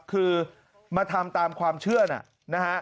คือมาทำตามความเชื่อนะฮะ